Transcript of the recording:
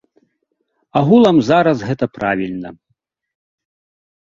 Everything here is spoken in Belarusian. Агулам зараз гэта правільна.